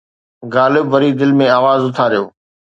غالب وري دل ۾ آواز اٿاريو